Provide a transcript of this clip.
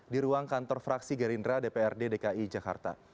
di ruang kantor fraksi gerindra dprd dki jakarta